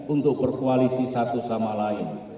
untuk berkoalisi satu sama lain